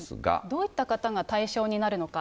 どういった方が対象になるのか。